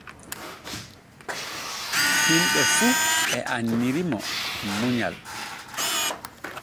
Himɓe fu e annirimo munyal.